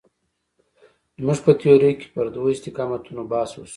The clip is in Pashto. زموږ په تیورۍ کې پر دوو استقامتونو بحث وشو.